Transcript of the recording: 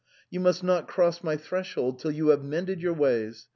You shall not cross my threshold until you have mended your ways.